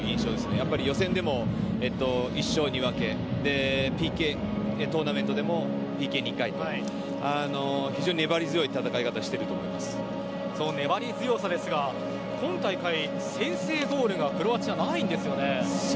やっぱり予選でも１勝２分けトーナメントでもＰＫ２回と非常に粘り強い戦い方をその粘り強さですが今大会、先制ゴールがクロアチア、ないんですよね。